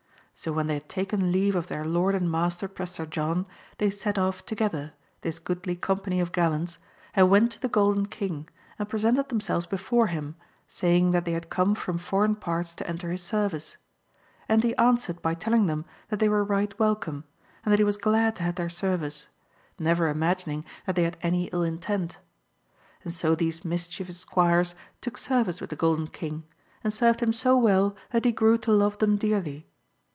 So when they had taken leave of their Lord and Master Prester John, they set off together, this goodly company of gallants, and went to the Golden King, and presented themselves before him, saying that they had come from foreign parts to enter his service. And he answered by telling them that they were right welcome, and that he was glad to have their service, never imagining that they had any ill intent. And so these mischievous squires took service with the Golden King ; and served him so well that he grew to love them dearly.